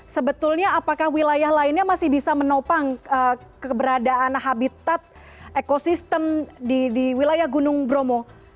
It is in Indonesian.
sebetulnya apakah wilayah lainnya masih bisa menopang keberadaan habitat ekosistem di wilayah gunung bromo